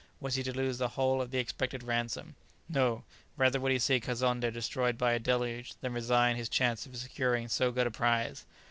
was he to lose the whole of the expected ransom? no, rather would he see Kazonndé destroyed by a deluge, than resign his chance of securing so good a prize.